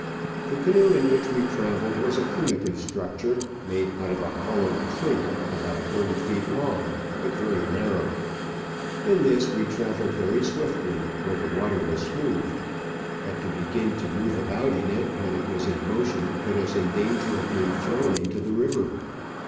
The canoe in which we travelled was a primitive structure made out of a hollowed tree, about thirty feet long, but very narrow. In this we travelled very swiftly where the water was smooth, but to begin to move about in it when it was in motion put us in danger of being thrown into the river.